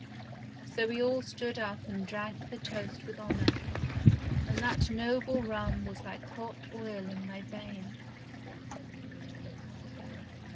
So we all stood up and drank the toast with honour, and that noble rum was like hot oil in my veins.